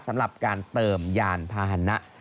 สำหรับการเติมยานพาหนะ